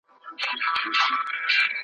پرلحد به دي رقیبه نه بیرغ وي نه جنډۍ وي ,